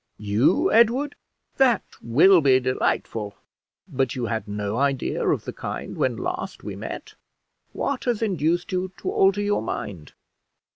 "You, Edward! that will be delightful; but you had no idea of the kind when last we met. What has induced you to alter your mind?"